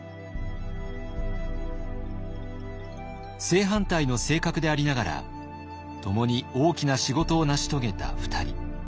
正反対の性格でありながら共に大きな仕事を成し遂げた２人。